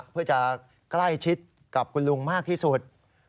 เพื่อจะใกล้ชิดกับคุณลุงมากที่สุด